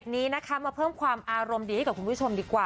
วันนี้นะคะมาเพิ่มความอารมณ์ดีให้กับคุณผู้ชมดีกว่า